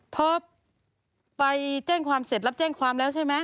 พอไปแจ้งความเสร็จรับแจ้งความแล้วใช่ไหม